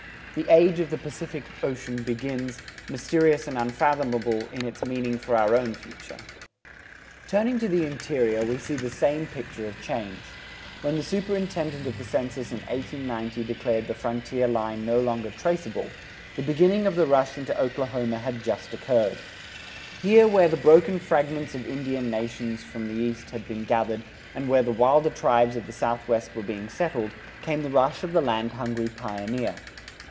The age of the Pacific Ocean begins, mysterious and unfathomable in its meaning for our own future. Turning to view the interior, we see the same picture of change. When the Superintendent of the Census in 1890 declared the frontier line no longer traceable, the beginning of the rush into Oklahoma had just occurred. Here where the broken fragments of Indian nations from the East had been gathered and where the wilder tribes of the Southwest were being settled, came the rush of the land hungry pioneer.